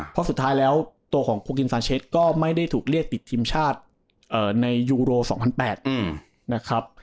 เพราะสุดท้ายแล้วตัวของคูกินซานเชสก็ไม่ได้ถูกเรียกติดทีมชาติในยูโร๒๐๐๘นะครับ